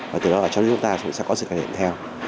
và từ đó là cho đến chúng ta sẽ có sự cải thiện theo